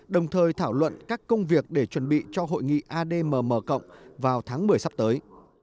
đồng thời thảo luận các công việc để chuẩn bị cho hội nghị admm vào tháng một mươi sắp tới